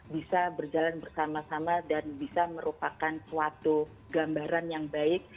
bisa berjalan bersama sama dan bisa merupakan suatu gambaran yang baik